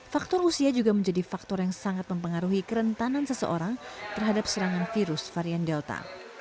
faktor usia juga menjadi faktor yang sangat mempengaruhi kerentanan seseorang terhadap serangan virus varian delta